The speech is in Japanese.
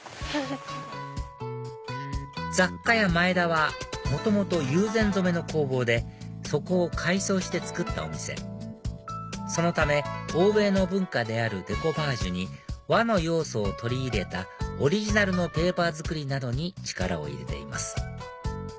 ＺａｋｋａｙａＭａｅｄａは元々友禅染の工房でそこを改装して造ったお店そのため欧米の文化であるデコパージュに和の要素を取り入れたオリジナルのペーパー作りなどに力を入れています